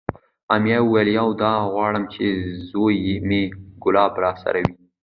امیه وویل: یو دا غواړم چې زوی مې کلاب راسره وی،